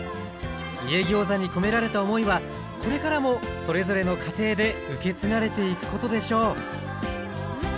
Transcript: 「家ギョーザ」に込められた思いはこれからもそれぞれの家庭で受け継がれていくことでしょう